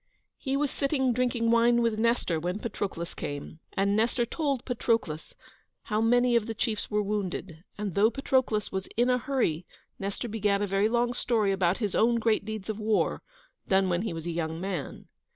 He was sitting drinking wine with Nestor when Patroclus came, and Nestor told Patroclus how many of the chiefs were wounded, and though Patroclus was in a hurry Nestor began a very long story about his own great deeds of war, done when he was a young man.